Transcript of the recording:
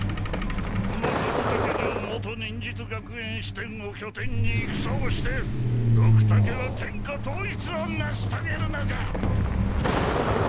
このドクタケ城元忍術学園支店を拠点に戦をしてドクタケは天下統一をなしとげるのじゃ！